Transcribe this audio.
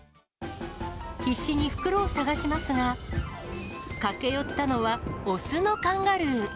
必死に袋を探しますが、駆け寄ったのは雄のカンガルー。